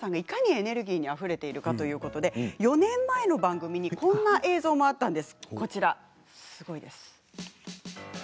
市村さんがいかにエネルギーにあふれているかということで４年前の番組に、こんな映像もありました。